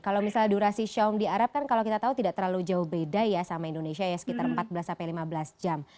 kalau misalnya durasi syam di arab kan kalau kita tahu tidak terlalu jauh beda ya sama indonesia ya sekitar empat belas sampai lima belas jam